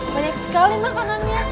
banyak sekali makanannya